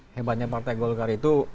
hebatnya partai golkar itu